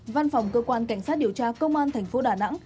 văn phòng cơ quan cảnh sát điều tra công an tp đà nẵng